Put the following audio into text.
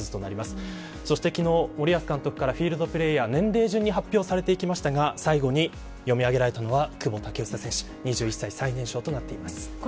昨日、森保監督からフィールドプレーヤー年齢順に発表されましたが最後に読み上げられたのは久保建英選手２１歳、最年少です。